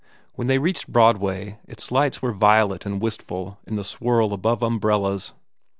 When they reached Broadway its lights were violet and wistful in the swirl above umbrellas.